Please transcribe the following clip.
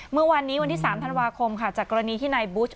เมื่อวานนี้วันที่๓ธันวาคมค่ะจากกรณีที่นายบุช